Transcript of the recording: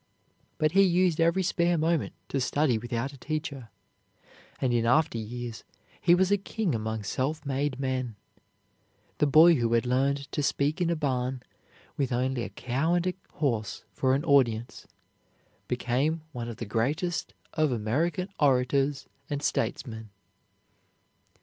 But he used every spare moment to study without a teacher, and in after years he was a king among self made men. The boy who had learned to speak in a barn, with only a cow and a horse for an audience, became one of the greatest of American orators and statesmen.